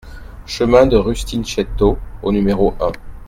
Chemin de Rustinchetto au numéro un